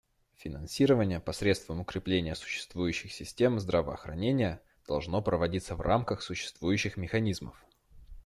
Финансирование посредством укрепления существующих систем здравоохранения должно проводиться в рамках существующих механизмов.